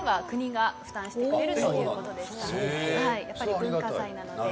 やっぱり文化財なので。